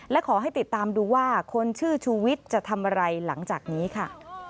และขอให้ติดตามดูว่าคนชื่อชูวิทย์จะทำอะไรหลังจากนี้ค่ะ